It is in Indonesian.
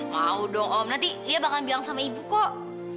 mau dong om nanti dia bakal bilang sama ibu kok